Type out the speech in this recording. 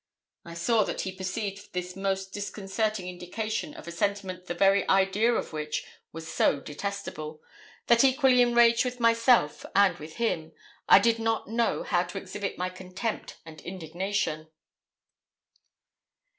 I saw that he perceived this most disconcerting indication of a sentiment the very idea of which was so detestable, that, equally enraged with myself and with him, I did not know how to exhibit my contempt and indignation.